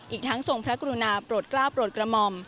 อีกทั้งทรงพระกรุณาโปรดกล้าวโปรดกระหม่อม